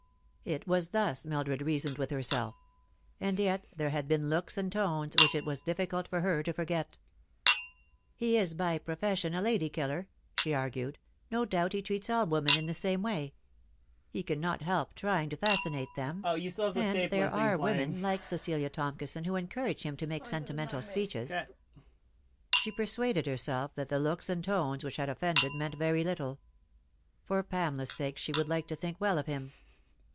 It was thus Mildred reasoned with herself ; and yet there had been looks and tones which it was difficult for her to forget. " He is by profession a lady killer," she argued ;" no doubt he treats all women in the same way. He cannot help trying to fascinate them ; and there are women like Cecilia Tomkison who encourage him to make sentimental speeches. She persuaded herself that the looks and tones which had offended meant very little. For Pamela's sake she would like to think well of him.